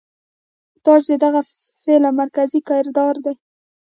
تاج د دغه فلم مرکزي کردار دے.